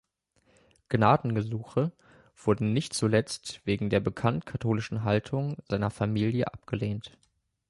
Gnadengesuche wurden nicht zuletzt wegen der bekannt katholischen Haltung seiner Familie abgelehnt.